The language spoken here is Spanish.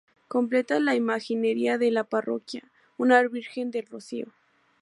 Completa la imaginería de la parroquia, una Virgen del Rocío.